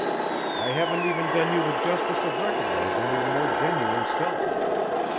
"I haven't even done you the justice of recognizing your more genuine self.